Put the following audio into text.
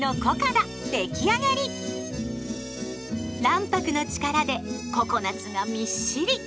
卵白の力でココナツがみっしり。